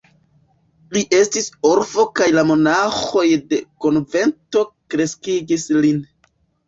Li estis orfo kaj la monaĥoj de konvento kreskigis lin.